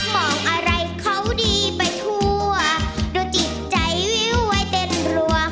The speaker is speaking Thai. มองอะไรเขาดีไปทั่วดูจิตใจวิวไว้เต้นรัว